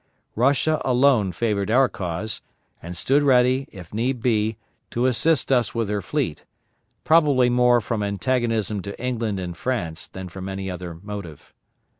Russia alone favored our cause, and stood ready, if need be, to assist us with her fleet; probably more from antagonism to England and France, than from any other motive.